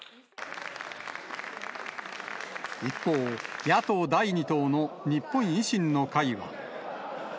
一方、野党第２党の日本維新の会は。